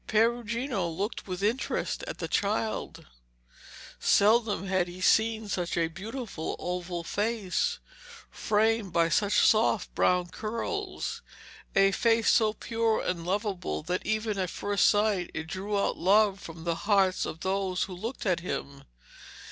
Perugino looked with interest at the child. Seldom had he seen such a beautiful oval face, framed by such soft brown curls a face so pure and lovable that even at first sight it drew out love from the hearts of those who looked at him.